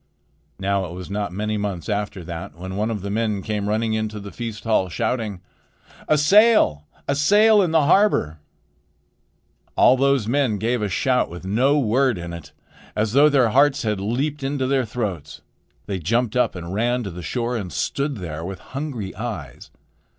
Now it was not many months after that when one of the men came running into the feast hall, shouting: "A sail! a sail in the harbor!" All those men gave a shout with no word in it, as though their hearts had leaped into their throats. They jumped up and ran to the shore and stood there with hungry eyes.